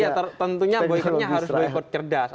iya tentunya boikotnya harus boikot cerdas